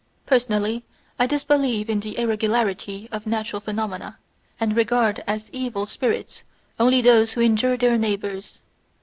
Personally, I disbelieve in the irregularity of natural phenomena, and regard as evil spirits only those who injure their neighbours.